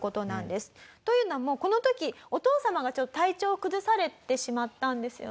というのもこの時お父様が体調を崩されてしまったんですよね。